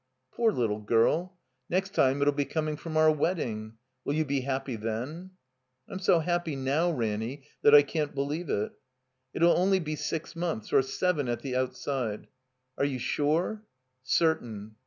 "Poor little girl! Next time it 'U be coming from our wedding. Will you be happy then ?" "I'm so happy now, Ranny, that I can't believe it." "It '11 only be six months, or seven at the out side." "Are you sure?" "Certain."